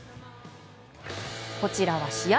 こちらは試合